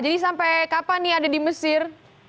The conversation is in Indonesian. jadi sampai kapan nih ada di mesir